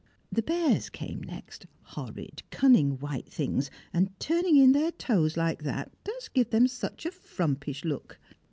The bears came next, horrid cunning white things, and turning in their toes like that does give them such a frumpish look.